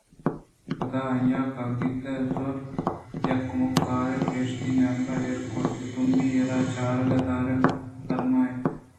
پدا آئیءَ کاگدے زُرت ءُیک کمکارے ءِپشتی نیمگ ءَ ایر کُت ءُدومی ءَ را چراگ ءِ دارگ پرمات اَنتءُ